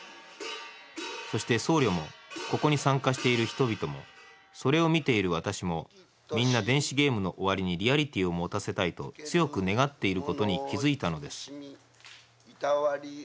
そして僧侶もここに参加している人々もそれを見ている私もみんな電子ゲームの終わりにリアリティーを持たせたいと強く願っていることに気付いたのです